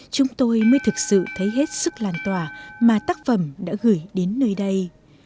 chúng tôi mới thực sự thấy hết sức làn tỏa mà tác phẩm đã gửi đến nơi đây